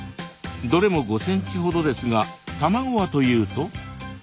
どれも５センチほどですが卵はというと。